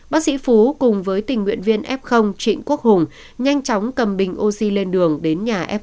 bác sĩ phú cùng với tình nguyện viên f trịnh quốc hùng nhanh chóng cầm bình oxy lên đường đến nhà f một